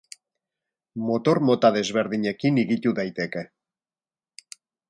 Motor mota desberdinekin higitu daiteke.